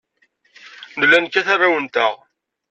Nella nekkat arraw-nteɣ.